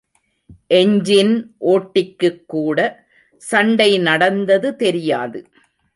Engine ஓட்டிக்குக் கூட சண்டை நடந்தது தெரியாது.